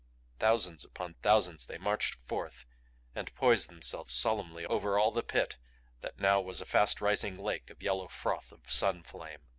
Thousands upon thousands they marched forth and poised themselves solemnly over all the Pit that now was a fast rising lake of yellow froth of sun flame.